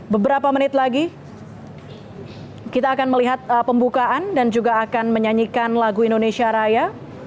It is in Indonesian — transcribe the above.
beberapa menit lagi kita akan melihat pembukaan dan juga akan menyanyikan lagu indonesia raya